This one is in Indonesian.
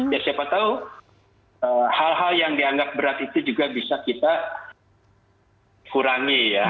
ya siapa tahu hal hal yang dianggap berat itu juga bisa kita kurangi ya